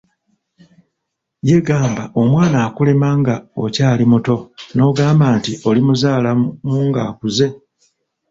Ye gamba omwana akulema nga okyali muto n'ogamba nti olimuzaala mu nga okuze!